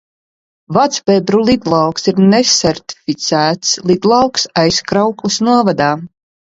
Vecbebru lidlauks ir nesertificēts lidlauks Aizkraukles novadā.